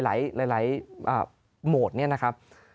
หลายโหมดเนี่ยนะครับ